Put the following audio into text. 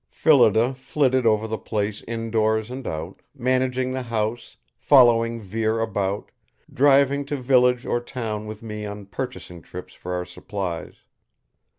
Phillida flitted over the place indoors and out, managing the house, following Vere about, driving to village or town with me on purchasing trips for our supplies.